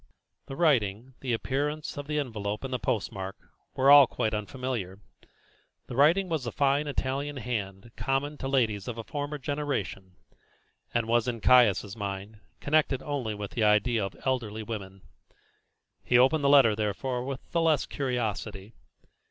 The writing, the appearance of the envelope and post mark, were all quite unfamiliar. The writing was the fine Italian hand common to ladies of a former generation, and was, in Caius' mind, connected only with the idea of elderly women. He opened the letter, therefore, with the less curiosity.